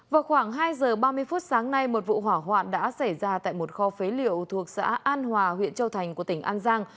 vào khoảng hai giờ ba mươi phút sáng nay một vụ hỏa hoạn đã xảy ra tại một kho phế liệu thuộc xã an hòa huyện châu thành của tỉnh an giang